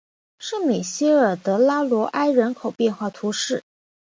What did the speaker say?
圣米歇尔德拉罗埃人口变化图示